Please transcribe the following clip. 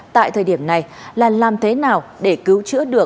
tại thời điểm này là làm thế nào để cứu trẻ